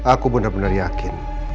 aku benar benar yakin